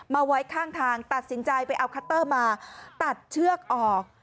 ไว้ข้างทางตัดสินใจไปเอาคัตเตอร์มาตัดเชือกออก